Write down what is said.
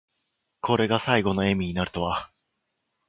これが最期の笑みになるとは。